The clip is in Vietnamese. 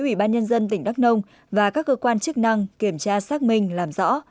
ủy ban nhân dân tỉnh đắk nông và các cơ quan chức năng kiểm tra xác minh làm rõ